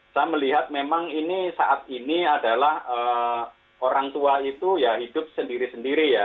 saya melihat memang ini saat ini adalah orang tua itu ya hidup sendiri sendiri ya